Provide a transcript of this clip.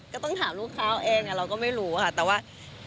ก็ต้องถามลูกค้าเองเราก็ไม่รู้ค่ะแต่ว่า